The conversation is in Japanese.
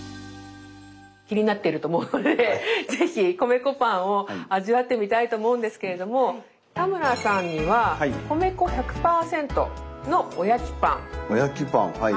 気になってると思うのでぜひ米粉パンを味わってみたいと思うんですけれども田村さんにはおやきパンはい。